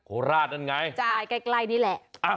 โอ้ราชนั่นไงจ่ายใกล้นี่แหละ